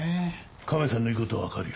カメさんの言う事はわかるよ。